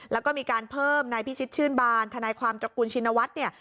แล้วก็มีการเพิ่มนายพิชิตชื่นบาลธนายความตระกุลชินวัตร